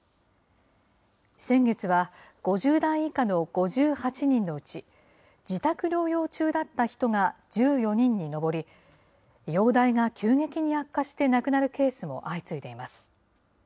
先月は５０代以下の５８人のうち、自宅療養中だった人が１４人に上り、容体が急激に悪化して亡くなるケースも相次いでいます。